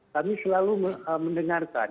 kami selalu mendengarkan